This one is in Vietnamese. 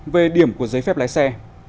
về điểm của giấy phép lái xe